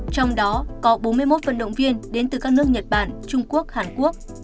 trong đó có bốn mươi một vận động viên đến từ các nước nhật bản trung quốc hàn quốc